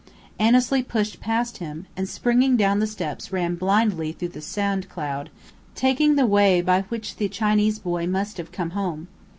Annesley pushed past him, and springing down the steps ran blindly through the sand cloud, taking the way by which the Chinese boy must have come home.